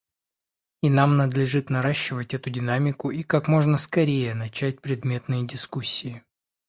И нам надлежит наращивать эту динамику и как можно скорее начать предметные дискуссии.